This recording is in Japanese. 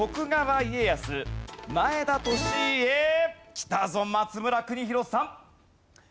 きたぞ松村邦洋さん。